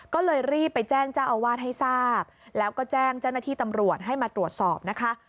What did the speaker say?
ก็เลยรีบไปแจ้งเจ้าอาวาสให้ทราบแล้วก็แจ้งเจ้าหน้าที่ตำรวจให้มาตรวจสอบนะคะ